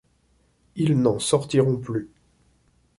Ils n’en sortiront plus.